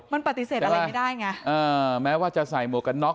มันปฏิเสธอะไรไม่ได้ไงอ่าแม้ว่าจะใส่หมวกกันน็อ